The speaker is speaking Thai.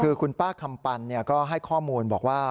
คือคุณป้าคำปันก็ให้ข้อมูลบอกว่า